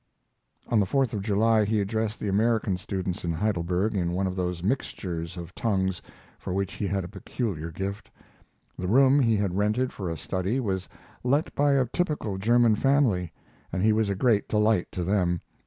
On the Fourth of July he addressed the American students in Heidelberg in one of those mixtures of tongues for which he had a peculiar gift. The room he had rented for a study was let by a typical German family, and he was a great delight to them.